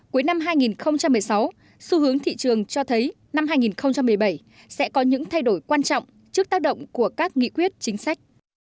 cuối năm hai nghìn một mươi sáu xu hướng thị trường cho thấy năm hai nghìn một mươi bảy sẽ có những thay đổi quan trọng trước tác động của các nghị quyết chính sách